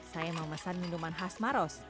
saya memesan minuman khas maros